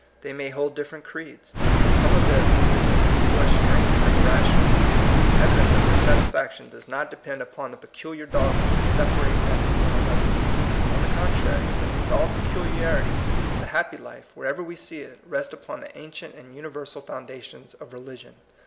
They may hold different creeds. Some of their opin ions may seem to us strange or irrational. Evidently their satisfaction does not depend 192 THE COMING PEOPLE. upon the peculiar dogmas that separate men from one another. On the contrary, be neath all peculiarities, the 'happy life, wher ever we see it, rests upon the ancient and universal foundations of religion.